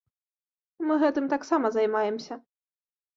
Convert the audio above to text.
Мы гэтым таксама займаемся.